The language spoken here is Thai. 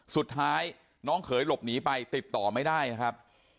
สุดท้ายน้องเขยหลบหนีไปติดต่อไม่ได้นะครับ